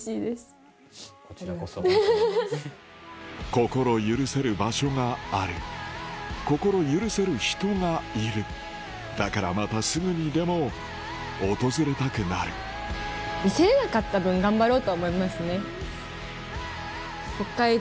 心許せる場所がある心許せる人がいるだからまたすぐにでも訪れたくなる何かダメだなもう何でだろう。